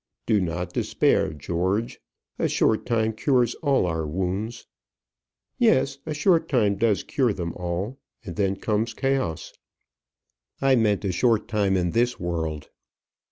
"Do not despair, George. A short time cures all our wounds." "Yes; a short time does cure them all and then comes chaos." "I meant a short time in this world."